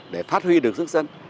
để phát huy được sức dân